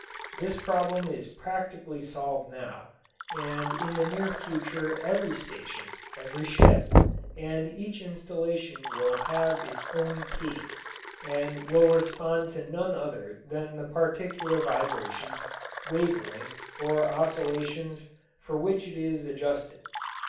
This problem is practically solved now, and in the near future every station, every ship, and each installation will have its own key, and will respond to none other than the particular vibrations, wave lengths, or oscillations, for which it is adjusted.